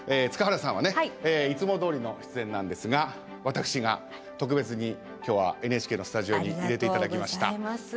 塚原さんはねいつもどおりの出演なんですが私が特別に今日はＮＨＫのスタジオに入れて頂きました。